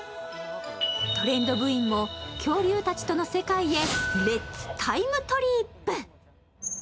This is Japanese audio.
トレンド部員も恐竜たちとの世界へレッツ・タイムトリップ！